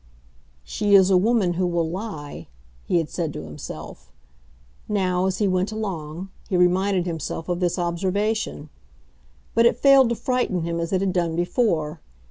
"She is a woman who will lie," he had said to himself. Now, as he went along, he reminded himself of this observation; but it failed to frighten him as it had done before.